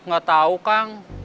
gak tau kang